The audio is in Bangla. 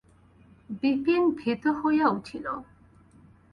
বিপিন ভীত হইয়া উঠিল।